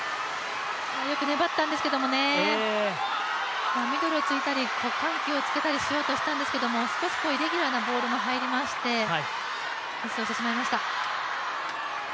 よく粘ったんですけどね、ミドルを突いたり緩急をつけたりしようとしましたがイレギュラーなボールが入ってしまいました。